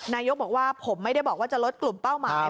นายกบอกว่าผมไม่ได้บอกว่าจะลดกลุ่มเป้าหมาย